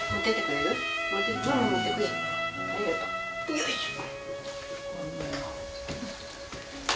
よいしょ。